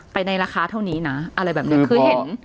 ในราคาเท่านี้นะอะไรแบบนี้คือเห็น